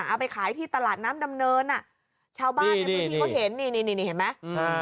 เอาไปขายที่ตลาดน้ำดำเนินอ่ะชาวบ้านที่ที่เขาเห็นนี่นี่นี่นี่เห็นไหมอืม